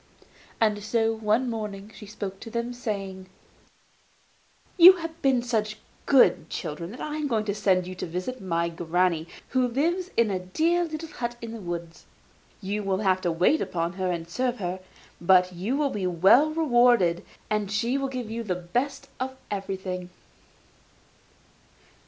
And so one morning she spoke to them, saying: 'You have been such good children that I am going to send you to visit my granny, who lives in a dear little hut in the wood. You will have to wait upon her and serve her, but you will be well rewarded, for she will give you the best of everything.